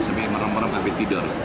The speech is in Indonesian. sambil merom merom sampai tidur